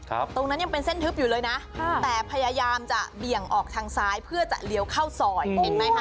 ตรงนั้นยังเป็นเส้นทึบอยู่เลยนะแต่พยายามจะเบี่ยงออกทางซ้ายเพื่อจะเลี้ยวเข้าซอยเห็นไหมคะ